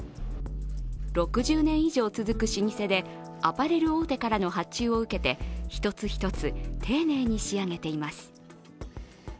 ６０年以上続く老舗で、アパレル大手からの発注を受けて一つ一つ丁寧に仕上げています。